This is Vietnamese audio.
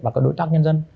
và các đối tác nhân dân